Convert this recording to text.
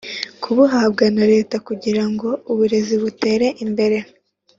kubuhabwa na Leta kugira ngo uburezi butere imbere